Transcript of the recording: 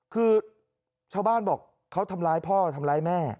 คือชาวบ้านบอกเขาทำร้ายพ่อทำร้ายแม่